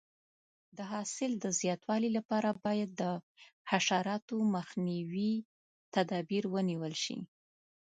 د حاصل د زیاتوالي لپاره باید د حشراتو مخنیوي تدابیر ونیول شي.